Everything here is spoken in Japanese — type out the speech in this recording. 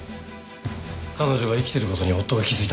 彼女が生きてることに夫が気付いた。